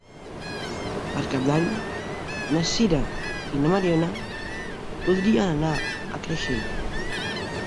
Per Cap d'Any na Sira i na Mariona voldrien anar a Creixell.